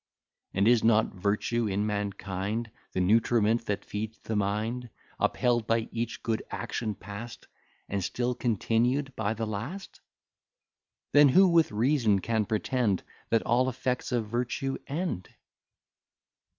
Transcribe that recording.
And is not virtue in mankind The nutriment that feeds the mind; Upheld by each good action past, And still continued by the last? Then, who with reason can pretend That all effects of virtue end?